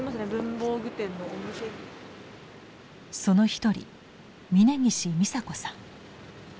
その一人嶺岸美紗子さん。